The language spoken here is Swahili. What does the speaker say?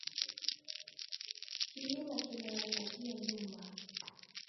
Kilima kinaangukiya nyumba